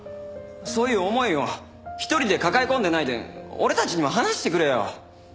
そういう思いを一人で抱え込んでないで俺たちにも話してくれよ。